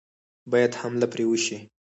باید حمله پرې وشي.